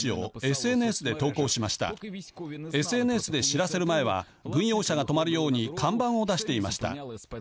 ＳＮＳで知らせる前は軍用車が止まるように看板を出していました。